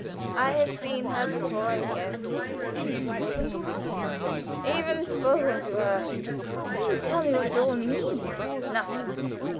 "I have seen her before yes." "And spoken to her?" "Even spoken to her." "Do tell me what it all means." "Nothing."